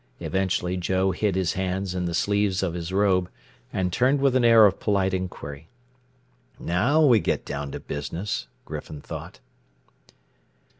Eventually Joe hid his hands in the sleeves of his robe and turned with an air of polite inquiry. Now we get down to business, Griffin thought.